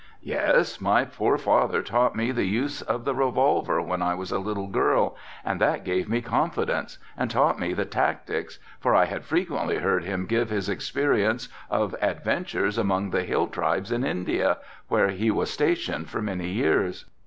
"Yes, my poor father taught me the use of the revolver when I was a little girl and that gave me confidence and taught me the tactics, for I had frequently heard him give his experience of adventures among the hill tribes in India, where he was stationed for many years."